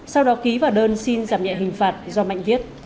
sau đó ký vào đơn xin giảm nhẹ hình phạt do mạnh viết